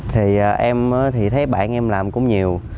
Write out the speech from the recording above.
thì em thì thấy bạn em làm cũng nhiều